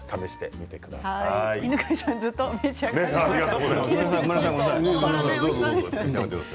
犬飼さん、ずっと召し上がっていますね。